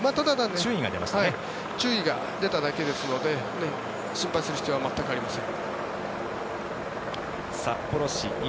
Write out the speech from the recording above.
注意が出ただけですので心配する必要は全くありません。